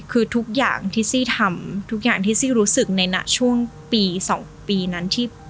คือทุกอย่างที่ซี่ทำทุกอย่างที่ซี่รู้สึกในช่วงปี๒ปีนั้นที่